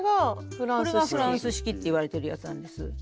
フランス式っていわれてるやつなんです。